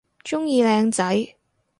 鍾意靚仔